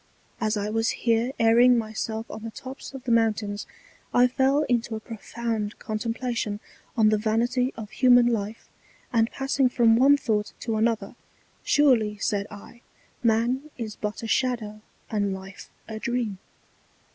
As I was here airing my self on the Tops of the Mountains, I fell into a profound Contemplation on the Vanity of human Life; and passing from one Thought to another, Surely, said I, Man is but a Shadow and Life a Dream.